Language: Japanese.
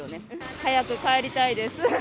早く帰りたいです。